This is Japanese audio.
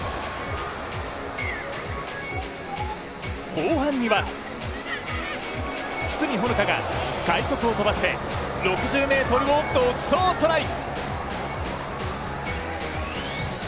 後半には堤ほの花が快足を飛ばして６０ｍを独走トライ。